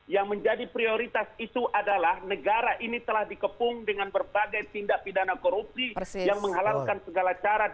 yang menjadi prioritas itu adalah negara ini telah dikepung dengan berbagai tindak pidana korupsi yang menghalalkan segala cara